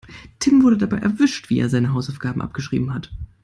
Tim wurde dabei erwischt, wie er seine Hausaufgaben abgeschrieben hat.